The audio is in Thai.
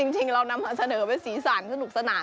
จริงเรานำมาเสนอเป็นสีสันสนุกสนาน